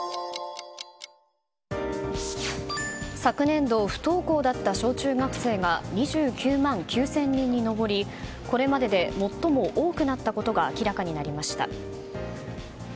昨年度不登校だった小中学生が２９万９０００人に上りこれまでで最も多くなったことが明らかになりました。